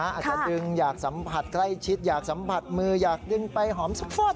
อาจจะดึงอยากสัมผัสใกล้ชิดอยากสัมผัสมืออยากดึงไปหอมซุปอด